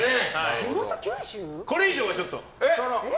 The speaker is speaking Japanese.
これ以上はちょっと。